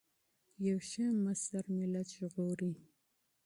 یو ښه مشر ملت ژغوري.